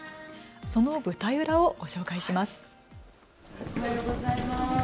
その舞台裏をご紹介します。